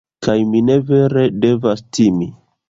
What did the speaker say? kaj ni ne vere devas timi